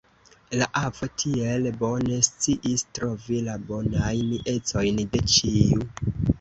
La avo tiel bone sciis trovi la bonajn ecojn de ĉiu!